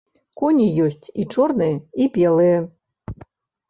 Коні ёсць і чорныя і белыя!